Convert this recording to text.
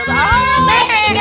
aaaa baiknya jangan